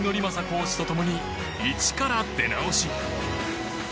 コーチと共に一から出直し。